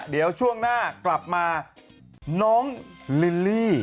เดี๋ยวช่วงหน้ากลับมาน้องลิลลี่